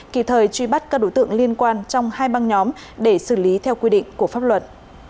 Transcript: kịp thời truy bắt các đối tượng liên quan trong hai băng nhóm để xử lý theo quy định của pháp luật